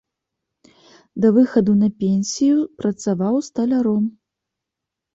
Да выхаду на пенсію працаваў сталяром.